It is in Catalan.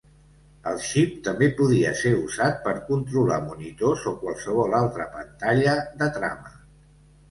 El xip també podia ser usat per controlar monitors o qualsevol altra pantalla de trama.